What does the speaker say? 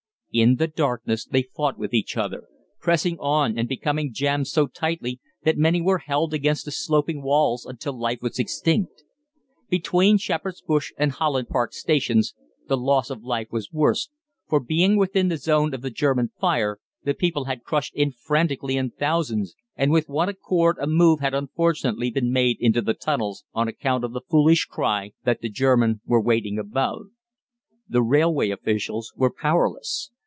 In the darkness they fought with each other, pressing on and becoming jammed so tightly that many were held against the sloping walls until life was extinct. Between Shepherd's Bush and Holland Park Stations the loss of life was worst, for being within the zone of the German fire the people had crushed in frantically in thousands, and with one accord a move had unfortunately been made into the tunnels, on account of the foolish cry that the German were waiting above. The railway officials were powerless.